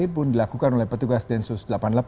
pun dilakukan oleh petugas densus delapan puluh delapan